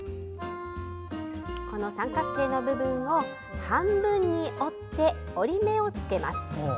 この三角形の部分を半分に折って折り目をつけます。